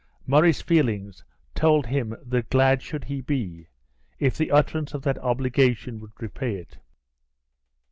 Murray's feelings told him that glad should he be, if the utterance of that obligation would repay it!